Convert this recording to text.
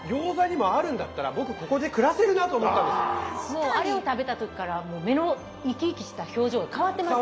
もうあれを食べた時から目の生き生きした表情が変わってました。